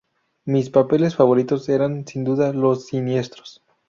Mis papeles favoritos eran sin duda los siniestros.